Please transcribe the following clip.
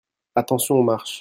Attention aux marches.